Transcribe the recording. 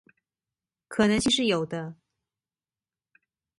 可能性是有的